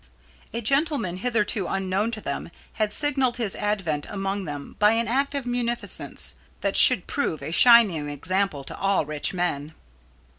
A gentleman hitherto unknown to them had signalled his advent among them by an act of munificence that should prove a shining example to all rich men.